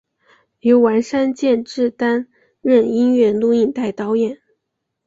由丸山健志担任音乐录影带导演。